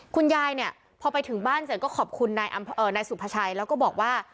คุณยายเนี่ยพอไปถึงบ้านเสร็จก็ขอบคุณนายสุภาชัยแล้วก็บอกว่า